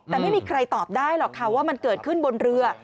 แต่ไม่มีใครตอบได้หรอกค่ะว่ามันเกิดขึ้นบนเรือ